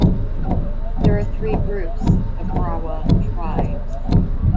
There are three groups of Brahui tribes.